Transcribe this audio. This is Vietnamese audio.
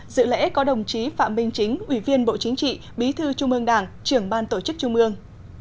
dự lễ có đồng chí phạm minh chính ủy viên bộ chính trị bí thư trung ương đảng trưởng ban tổ chức trung ương